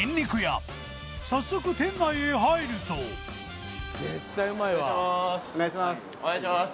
早速店内へ入ると失礼しまーすお願いします